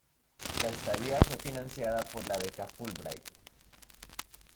La estadía fue financiada por la beca Fulbright.